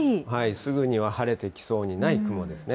すぐには晴れてきそうにない雲ですね。